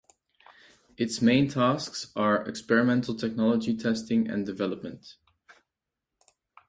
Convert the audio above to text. Its main tasks are experimental technology testing and development.